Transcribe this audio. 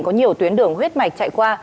có nhiều tuyến đường huyết mạch chạy qua